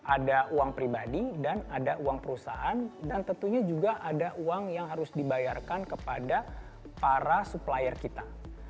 ada uang pribadi dan ada uang perusahaan dan tentunya juga ada uang yang harus dibayarkan kepada para supplier kita